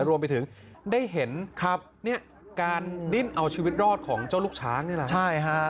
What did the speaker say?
รวมไปถึงได้เห็นการดิ้นเอาชีวิตรอดของเจ้าลูกช้างนี่แหละใช่ฮะ